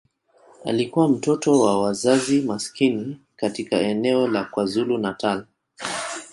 Alikuwa mtoto wa wazazi maskini katika eneo la KwaZulu-Natal.